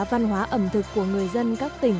văn hóa ẩm thực của người dân các tỉnh